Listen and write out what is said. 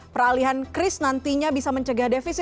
peralihan chris nantinya bisa mencegah defisi